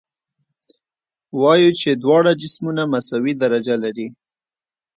وایو چې دواړه جسمونه مساوي درجه لري.